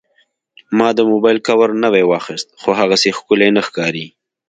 ما د موبایل کاور نوی واخیست، خو هغسې ښکلی نه ښکاري.